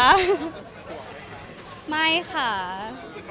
มันเป็นปัญหาจัดการอะไรครับ